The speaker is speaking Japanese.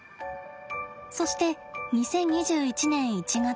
そして２０２１年１月。